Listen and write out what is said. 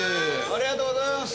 ありがとうございます。